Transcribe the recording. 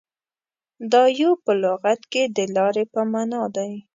• دایو په لغت کې د لارې په معنیٰ دی.